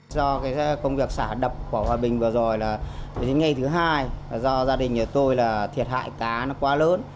do cái công việc xả đập của hòa bình vừa rồi là đến ngày thứ hai do gia đình nhà tôi là thiệt hại cá nó quá lớn